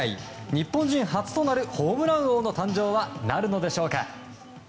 日本人初となるホームラン王の誕生はなるのでしょうか。